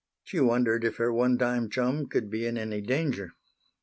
She wondered if her one time chum could be in any danger.